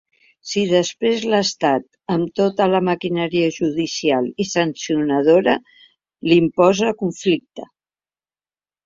Si després l’estat, amb tota la maquinària judicial i sancionadora l’imposa, conflicte.